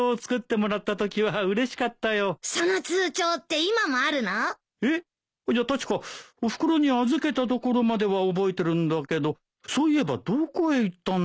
いや確かおふくろに預けたところまでは覚えてるんだけどそういえばどこへ行ったんだろう。